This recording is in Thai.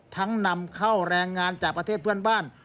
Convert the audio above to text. นำเข้าแรงงานจากประเทศเพื่อนบ้าน